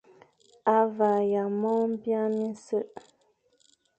À vagha mon byañ, minsekh.